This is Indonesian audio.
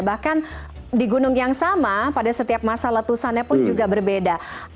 bahkan di gunung yang sama pada setiap masa letusannya pun juga berbeda